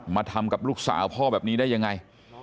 มาทำกับลูกสาวพ่อแบบนี้ได้ยังไง